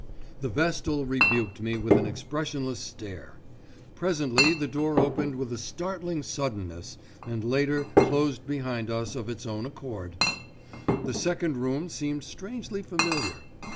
The Vestal rebuked me with an expressionless stare. Presently the door opened with a startling suddenness and later closed behind us of its own accord. The second room seemed strangely familiar.